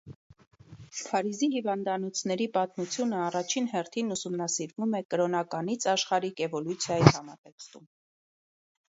Փարիզի հիվանդանոցների պատմությունը առաջին հերթին ուսումնասիրվում է կրոնականից աշխարհիկ էվոլյուցիայի համատեքստում։